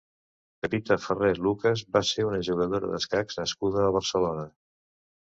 Pepita Ferrer Lucas va ser una jugadora d'escacs nascuda a Barcelona.